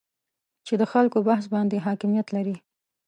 چې د خلکو بحث باندې حاکمیت لري